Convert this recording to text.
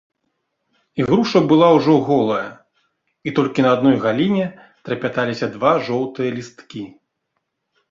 Ігруша была ўжо голая, і толькі на адной галіне трапяталіся два жоўтыя лісткі.